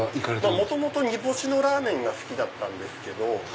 元々煮干しのラーメンが好きだったんですけど。